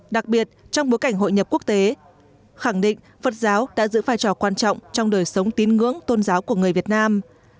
đặc biệt trong bối cảnh hội nhập quốc tế khẳng định phật giáo đã giữ vai trò quan trọng trong đời sống tín ngưỡng tôn giáo của người việt nam